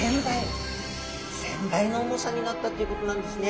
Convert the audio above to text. １０００倍の重さになったっていうことなんですね。